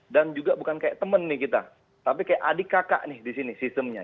dan juga bukan kayak teman nih kita tapi kayak adik kakak nih di sini sistemnya